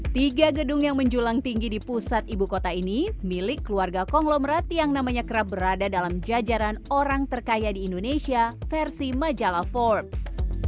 tiga gedung yang menjulang tinggi di pusat ibu kota ini milik keluarga konglomerat yang namanya kerap berada dalam jajaran orang terkaya di indonesia versi majalah forbes